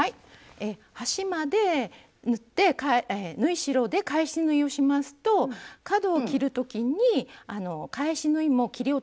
端まで縫って縫い代で返し縫いをしますと角を切る時に返し縫いも切り落とす可能性があるんですね。